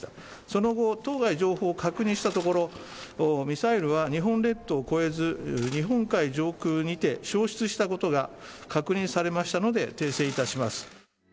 その後、当該情報を確認したところ、ミサイルは日本列島を越えず、日本海上空にて消失したことが確認されましたので、訂正いたします。